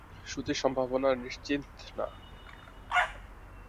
শুধুই সম্ভাবনা, নিশ্চিত না।